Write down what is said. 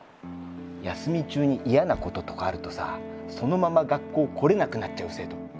休み中に嫌なこととかあるとさそのまま学校来れなくなっちゃう生徒結構いるから。